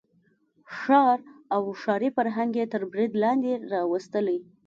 ښار او ښاري فرهنګ یې تر برید لاندې راوستلی.